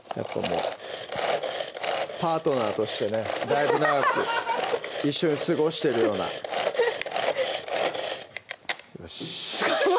パートナーとしてねだいぶ長く一緒に過ごしてるようなよし！